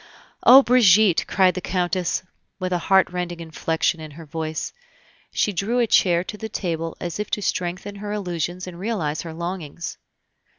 "Oh, Brigitte!..." cried the Countess, with a heart rending inflection in her voice. She drew a chair to the table as if to strengthen her illusions and realize her longings.